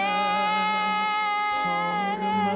ซ่อยคอยเน่